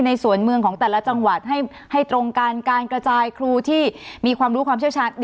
ในส่วนเมืองของแต่ละจังหวัดให้ตรงกันการกระจายครูที่มีความรู้ความเชี่ยวชาญ